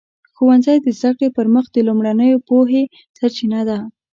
ښوونځی د زده کړې پر مخ د لومړنیو پوهې سرچینه ده.